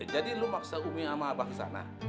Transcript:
jadi lu maksa umi sama abah kesana